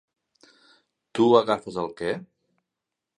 Tu agafes el què?